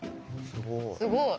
すごい。